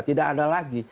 tidak ada lagi